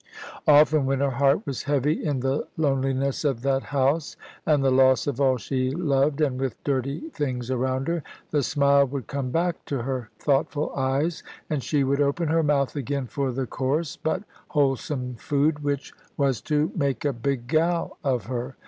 Often when her heart was heavy in the loneliness of that house, and the loss of all she loved, and with dirty things around her, the smile would come back to her thoughtful eyes, and she would open her mouth again for the coarse but wholesome food, which was to make a "big gal" of her.